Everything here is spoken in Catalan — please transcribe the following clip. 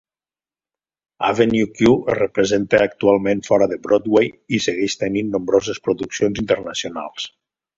"Avenue Q" es representa actualment fora de Broadway i segueix tenint nombroses produccions internacionals.